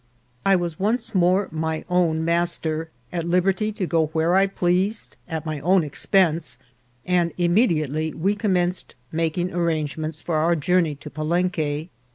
I was once more my own master, at liberty to go where I pleased, at my own expense, and immediately we commenced making arrangements for our journey to Palenque.